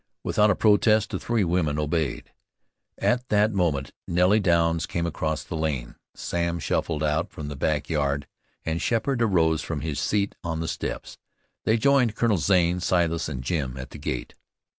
Without a protest the three women obeyed. At that moment Nellie Douns came across the lane; Sam shuffled out from the backyard, and Sheppard arose from his seat on the steps. They joined Colonel Zane, Silas and Jim at the gate.